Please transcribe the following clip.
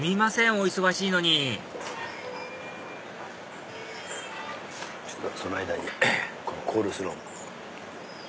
お忙しいのにその間にコールスローも。